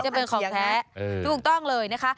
จะเป็นของแท้ถูกต้องเลยนะคะ